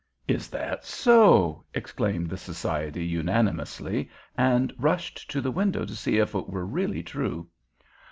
"Is that so?" exclaimed the society unanimously, and rushed to the window to see if it were really true.